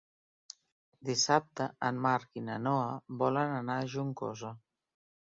Dissabte en Marc i na Noa volen anar a Juncosa.